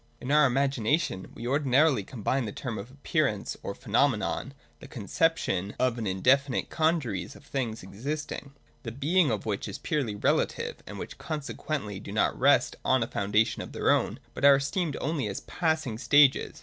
In our imagination we ordinarily combine with the term appearance or pheno menon the conception of an indefinite congeries of things existing, the being of which is purely relative, and which consequently do not rest on a foundation of their own, but are esteemed only as passing stages.